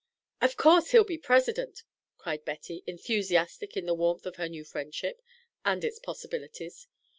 "Of course he'll be President!" cried Betty, enthusiastic in the warmth of her new friendship and its possibilities.